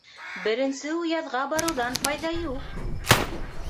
— Беренсе уяҙға барыуҙан файҙа юҡ.